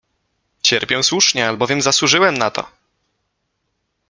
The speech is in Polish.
— Cierpię słusznie, albowiem zasłużyłem na to!